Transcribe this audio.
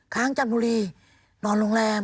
ค้างจันทบุรีนอนโรงแรม